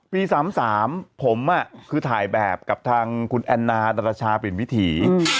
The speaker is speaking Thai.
๓๓ผมคือถ่ายแบบกับทางคุณแอนนาดรชาปริ่นวิถี